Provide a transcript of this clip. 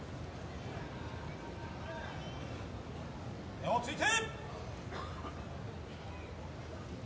手をついて。